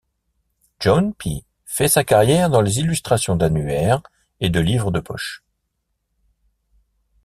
John Pye fait sa carrière dans les illustrations d'annuaires et de livres de poche.